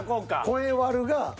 声悪が。